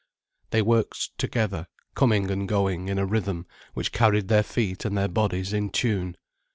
They worked together, coming and going, in a rhythm, which carried their feet and their bodies in tune.